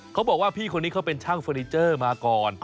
เขาบอกว่าพี่คนนี้เขาเป็นช่างเฟอร์นิเจอร์มาก่อน